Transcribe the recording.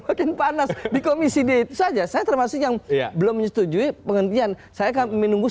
makin panas di komisi d itu saja saya termasuk yang belum menyetujui penghentian saya menunggu